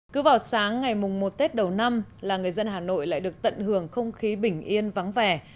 cứ vào sáng ngày mùng một tết đầu năm là người dân hà nội lại được tận hưởng không khí bình yên vắng vẻ